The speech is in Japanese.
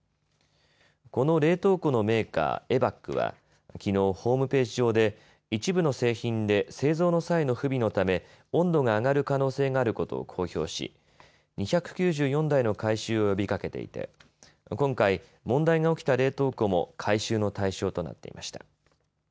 この冷凍庫のメーカー、ＥＢＡＣはきのうホームページ上で一部の製品で製造の際の不備のため、温度が上がる可能性があることを公表し２９４台の回収を呼びかけていて今回、問題が起きた冷凍庫も回収の対象となっていました。